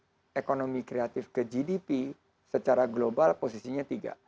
untuk ekonomi kreatif ke gdp secara global posisinya tiga